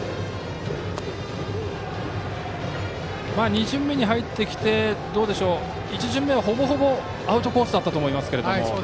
２巡目に入ってきて１巡目は、ほぼほぼアウトコースだったと思いますが。